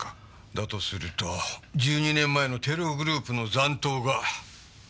だとすると１２年前のテログループの残党が今回の事件の犯人って事か。